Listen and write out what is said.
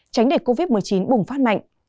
tránh để covid một mươi chín bùng phát mạnh